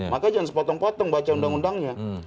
maka jangan sepotong potong baca undang undangnya